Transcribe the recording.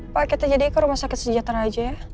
pak kita jadi ke rumah sakit sejahtera aja ya